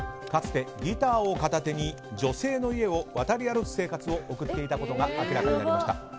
かつてギターを片手に女性の家を渡り歩く生活を送っていたことが明らかになりました。